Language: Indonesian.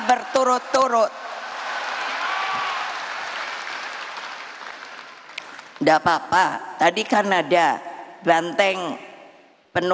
berani apa tidak takut apa tidak berani apa tidak takut apa tidak nah gitu dong berani